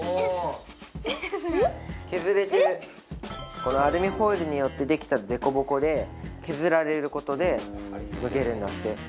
このアルミホイルによってできた凸凹で削られる事でむけるんだって。